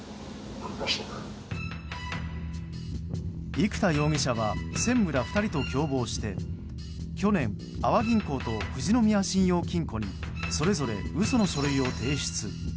生田容疑者は専務ら２人と共謀して去年、阿波銀行と富士宮信用金庫にそれぞれ嘘の書類を提出。